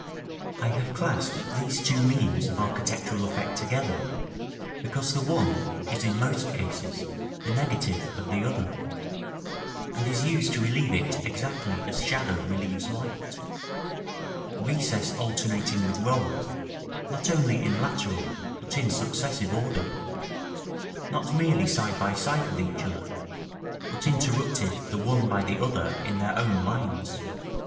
§ I. I have classed these two means of architectural effect together, because the one is in most cases the negative of the other, and is used to relieve it exactly as shadow relieves light; recess alternating with roll, not only in lateral, but in successive order; not merely side by side with each other, but interrupted the one by the other in their own lines.